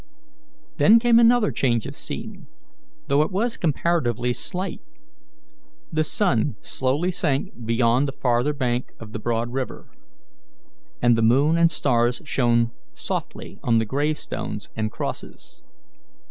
Then came another change of scene, though it was comparatively slight. The sun slowly sank beyond the farther bank of the broad river, and the moon and stars shone softly on the gravestones and crosses.